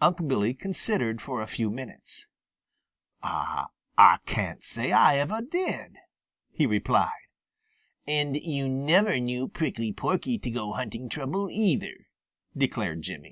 Unc' Billy considered for a few minutes. "Ah can't say Ah ever did," he replied. "And you never knew Prickly Porky to go hunting trouble either," declared Jimmy.